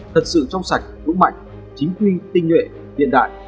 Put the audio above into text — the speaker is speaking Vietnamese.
thật sự trong sạch đúng mạnh chính quy tinh nhuệ tiện đại